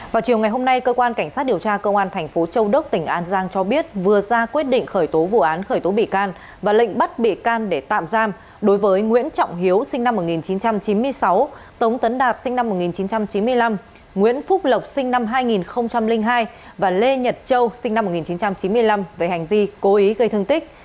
vào chiều ngày hôm nay cơ quan cảnh sát điều tra cơ quan thành phố châu đốc tỉnh an giang cho biết vừa ra quyết định khởi tố vụ án khởi tố bị can và lệnh bắt bị can để tạm giam đối với nguyễn trọng hiếu sinh năm một nghìn chín trăm chín mươi sáu tống tấn đạt sinh năm một nghìn chín trăm chín mươi năm nguyễn phúc lộc sinh năm hai nghìn hai và lê nhật châu sinh năm một nghìn chín trăm chín mươi năm về hành vi cố ý gây thương tích